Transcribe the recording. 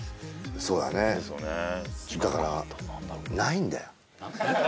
そうだねですよねだからないんだよ